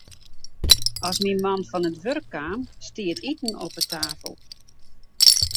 As myn man fan it wurk kaam, stie it iten op 'e tafel.